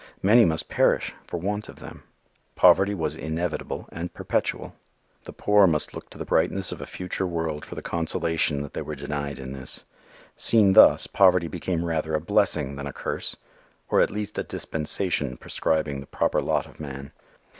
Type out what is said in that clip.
Many must perish for want of them. Poverty was inevitable and perpetual. The poor must look to the brightness of a future world for the consolation that they were denied in this. Seen thus poverty became rather a blessing than a curse, or at least a dispensation prescribing the proper lot of man.